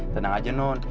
tenang aja non